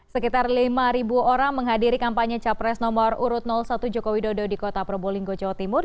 sekitar lima orang menghadiri kampanye capres nomor urut satu jokowi dodo di kota probolinggo jawa timur